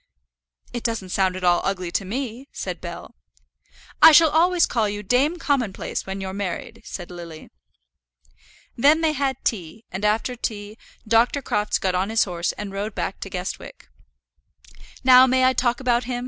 "It doesn't sound at all ugly to me," said Bell. "I shall always call you Dame Commonplace when you're married," said Lily. Then they had tea, and after tea Dr. Crofts got on his horse and rode back to Guestwick. "Now may I talk about him?"